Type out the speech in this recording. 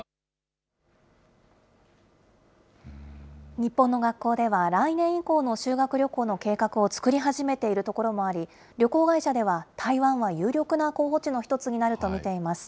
日本の学校では、来年以降の修学旅行の計画を作り始めているところもあり、旅行会社では台湾は有力な候補地の一つになると見ています。